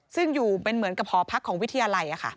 ซึ่งอยู่เป็นเหมือนกับหอพักของวิทยาลัย